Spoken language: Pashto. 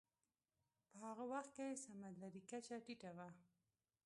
په هغه وخت کې سمندرې کچه ټیټه وه.